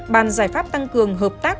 bàn giải pháp tăng cường hợp tác